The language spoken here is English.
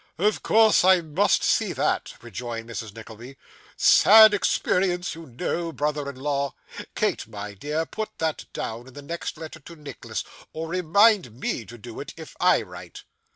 'Of course I must see that,' rejoined Mrs. Nickleby. 'Sad experience, you know, brother in law. Kate, my dear, put that down in the next letter to Nicholas, or remind me to do it if I write.